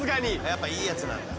やっぱいいやつなんだ。